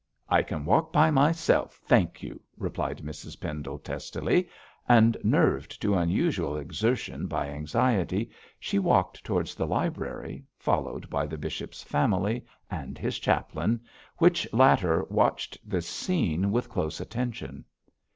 'I can walk by myself, thank you!' replied Mrs Pendle, testily; and nerved to unusual exertion by anxiety, she walked towards the library, followed by the bishop's family and his chaplain, which latter watched this scene with close attention.